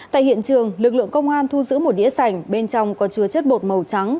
tại hiện trường lực lượng công an thu giữ một đĩa sành bên trong có chứa chất bột màu trắng